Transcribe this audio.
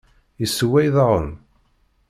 Yessewway daɣen?